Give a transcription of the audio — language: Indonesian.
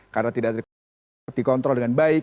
karena tidak dikontrol dengan baik